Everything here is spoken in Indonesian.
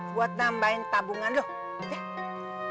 buat nambahin tabungan dulu